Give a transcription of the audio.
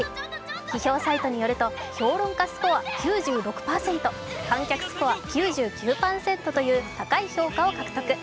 批評サイトによると、評論家スコア９６％、観客スコア９９％という高い評価を獲得。